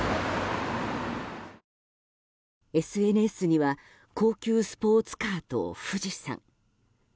ＳＮＳには高級スポーツカーと富士山。